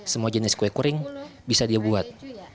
semua jenis kue kering bisa dia buat